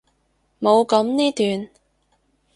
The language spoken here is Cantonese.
冇噉呢段！